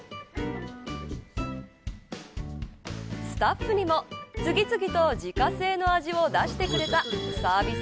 スタッフにも次々と自家製の味を出してくれたサービス